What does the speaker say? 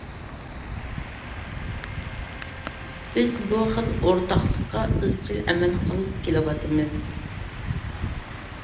بىز بۇ خىل ئورتاقلىققا ئىزچىل ئەمەل قىلىپ كېلىۋاتىمىز.